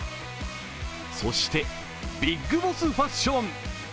そして、ビッグボスファッション。